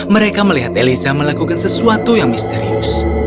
mereka melihat elisa melakukan sesuatu yang misterius